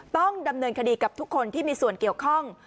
ต้องดำเนินคดีกับทุกคนที่มีส่วนเกี่ยวข้อง